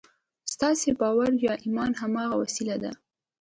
ستاسې باور یا ایمان هماغه وسیله ده